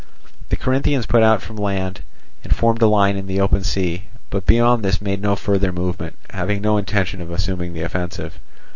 The Corinthians put out from the land and formed a line in the open sea, but beyond this made no further movement, having no intention of assuming the offensive.